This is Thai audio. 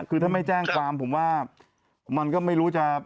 คือถ้าไม่แจ้งความผมว่ามันก็ไม่รู้จะ